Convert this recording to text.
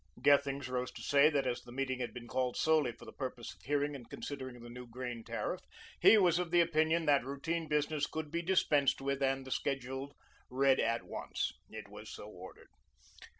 Gethings rose to say that as the meeting had been called solely for the purpose of hearing and considering the new grain tariff, he was of the opinion that routine business could be dispensed with and the schedule read at once. It was so ordered.